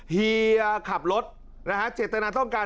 เฮียขับรถนะฮะเจตนาต้องการ